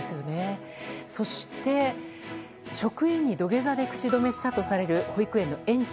そして、職員に土下座で口止めしたとされる保育園の園長。